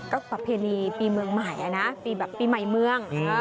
ก็ประเพณีปีเมืองใหม่นะปีแบบปีใหม่เมือง